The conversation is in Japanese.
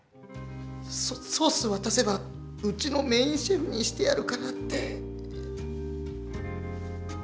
ソソースをわたせばうちのメインシェフにしてやるからって。